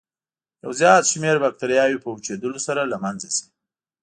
یو زیات شمېر باکتریاوې په وچېدلو سره له منځه ځي.